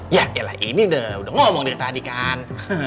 ya iyalah ini udah ngomong dari tadi kan